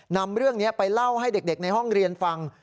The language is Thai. นำเรื่องนี้ไปเล่าให้เด็กในห้องเรียนฟัง